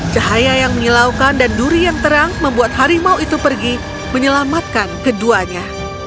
cahaya yang menyelaukan dan duri yang terang membuat harimau itu pergi menyelamatkan keduanya